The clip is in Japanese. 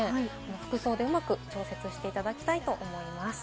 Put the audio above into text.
服装でうまく調整していただきたいと思います。